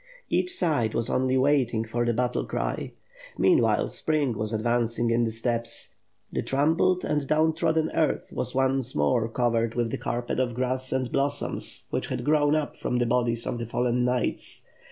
Each side was only waiting for the battle cry. Meanwhile, spring was advancing in the steppes; the trampled and down trodden earth was once more covered with the carpet of grass and blossoms, which had grown up from the bodies of the fallen kni<?hts.